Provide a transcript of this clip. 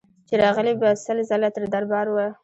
چي راغلې به سل ځله تر دربار وه